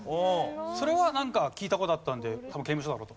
それはなんか聞いた事あったんで多分刑務所だろうと。